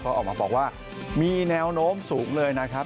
ก็ออกมาบอกว่ามีแนวโน้มสูงเลยนะครับ